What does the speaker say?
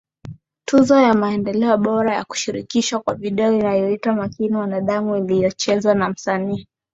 Tuzo ya Video Bora ya Kushirkishwa kwa video iliyoitwa Makini Wanadamu iliyochezwa na msanii